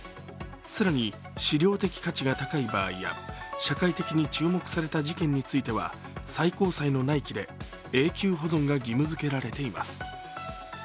更に、史料的価値が高い場合や社会的に注目された事件については最高裁の内規で永久保存が義務付けられています。